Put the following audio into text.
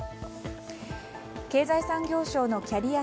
経済産業省のキャリア